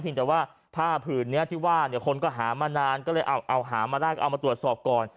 แต่ว่าผ้าผืนนี้ที่ว่าเนี่ยคนก็หามานานก็เลยเอาหามาได้เอามาตรวจสอบก่อน